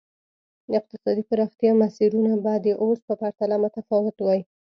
اقتصادي پراختیا مسیرونه به د اوس په پرتله متفاوت وای.